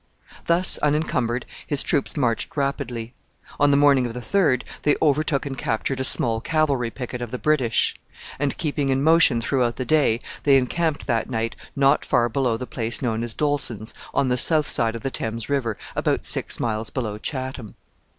Thus unencumbered, his troops marched rapidly. On the morning of the 3rd they overtook and captured a small cavalry picket of the British; and keeping in motion throughout the day, they encamped that night not far below the place known as Dolsen's, on the south side of the Thames river, about six miles below Chatham.